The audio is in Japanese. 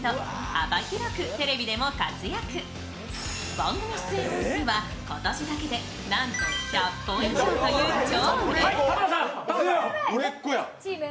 番組出演本数は、今年だけでなんと１００本以上という超売れっ子。